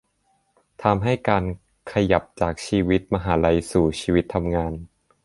ทำให้การขยับจากชีวิตมหาลัยมาสู่ชีวิตทำงาน